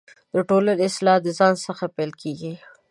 دټولنۍ اصلاح دځان څخه پیل کیږې